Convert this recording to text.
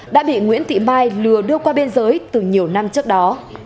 đã bị nguyễn thị mai lừa đưa qua biên giới từ nhiều năm trước đó